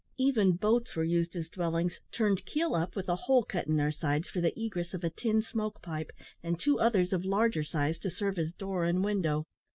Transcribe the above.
Even boats were used as dwellings, turned keel up, with a hole cut in their sides for the egress of a tin smoke pipe, and two others of larger size to serve as door and window.